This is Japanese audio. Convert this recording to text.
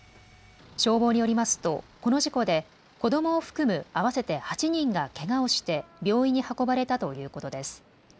消防によりますと、この事故で子どもを含む合わせて８人がけがをして病院に運ばれたということです。